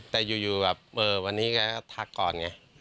แต่อยู่วันนี้ก็ทักก่อนไง